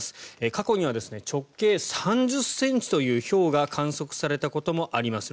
過去には直径３０ｃｍというひょうが観測されたこともあります。